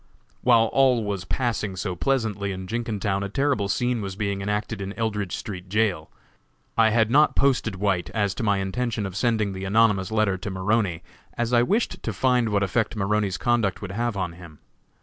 While all was passing so pleasantly in Jenkintown, a terrible scene was being enacted in Eldridge street jail. I had not posted White as to my intention of sending the anonymous letter to Maroney, as I wished to find what effect Maroney's conduct would have on him.